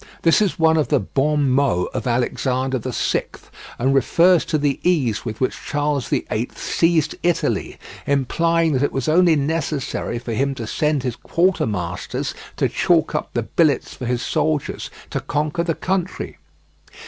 This is one of the bons mots of Alexander VI, and refers to the ease with which Charles VIII seized Italy, implying that it was only necessary for him to send his quartermasters to chalk up the billets for his soldiers to conquer the country.